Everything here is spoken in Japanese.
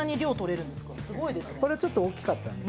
これちょっと大きかった。